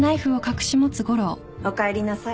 おかえりなさい。